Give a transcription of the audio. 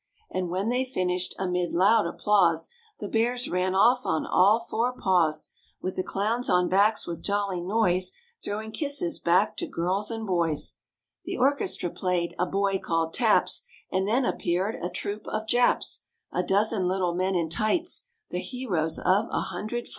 And when they finished amid loud applause The Bears ran off on all four paws With the clowns on backs with jolly noise Throwing kisses back to girls and boys The orchestra played "A Boy called Taps" And then appeared a troupe of Japs: A dozen little men in tights, The heroes of a hundred fights.